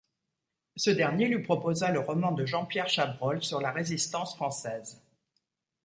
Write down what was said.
Ce dernier lui proposa le roman de Jean-Pierre Chabrol sur la résistance française.